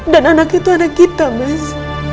dan anak itu anak kita mas